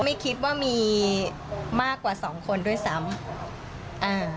ไม่คิดว่ามีมากกว่าสองคนด้วยซ้ำอ่า